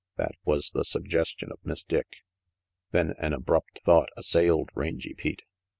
That was the suggestion of Miss Dick. Then an abrupt thought assailed Rangy Pete.